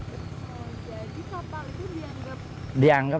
oh jadi kapal itu dianggap